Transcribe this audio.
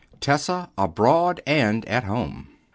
Tessa Abroad and at Home.